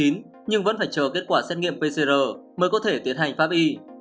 nhưng vẫn phải chờ kết quả xét nghiệm pcr mới có thể tiến hành pháp y